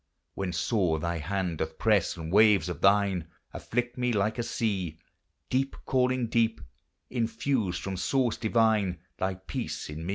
When sore thy hand doth press, and waves of thine Afflict me like a sea, — Deep calling deep, — infuse from source divine Thy peace in me